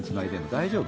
大丈夫？